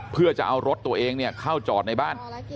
เพื่อจะเอารถตัวเองเข้าจอดในบ้าน